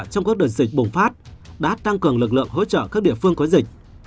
trong các đợt dịch bùng phát đã tăng cường lực lượng hỗ trợ các địa phương có dịch